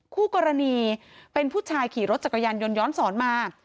คู่กรณีเป็นผู้ชายขี่รถจักรยานยนต์ย้อนสอนมา